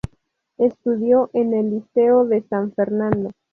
Estudió en el Liceo de San Fernando.